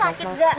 kamu sakit zah